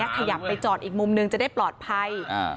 ขยับไปจอดอีกมุมหนึ่งจะได้ปลอดภัย